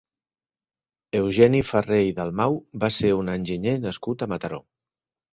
Eugeni Ferrer i Dalmau va ser un enginyer nascut a Mataró.